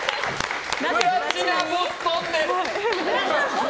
プラチナボストンです！